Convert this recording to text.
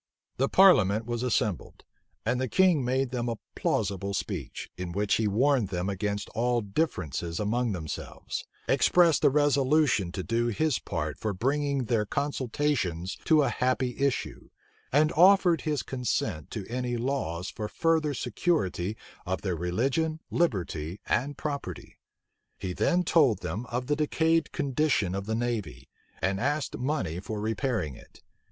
The parliament was assembled; and the king made them a plausible speech, in which he warned them against all differences among themselves; expressed a resolution to do his part for bringing their consultations to a happy issue; and offered his consent to any laws for the further security of their religion, liberty, and property. He then told them of the decayed condition of the navy, and asked money for repairing it.